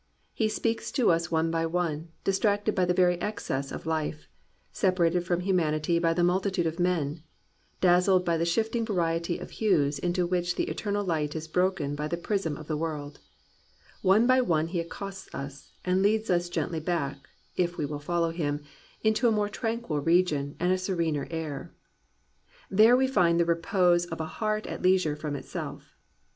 He speaks to us one by one, distracted by the very excess of life, separated from humanity by the multitude of men, dazzled by the shifting variety of hues into which the eternal light is broken by the prism of the world, — one by one he accosts us, and leads us gently back, if we will follow him, into a more tran quil region and a serener air. There we find the repose of "a heart at leisure from itself."